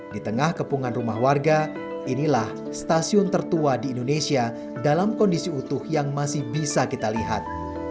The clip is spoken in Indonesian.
di tengah kepungan rumah warga inilah stasiun tertua di indonesia dalam kondisi utuh yang masih bisa kita lihat